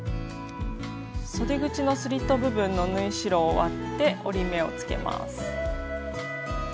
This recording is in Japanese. そで口のスリット部分の縫い代を割って折り目をつけます。